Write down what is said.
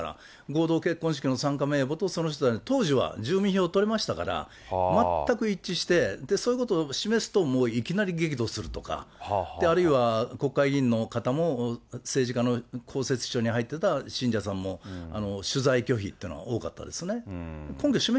合同結婚式の参加名簿とその人たち、当時は住民票取れましたから、全く一致して、そういうこと示すと、もういきなり激怒するとか、あるいは国会議員の方も政治家の公設秘書に入ってた信者さんも、取材拒否というのが多かったですね。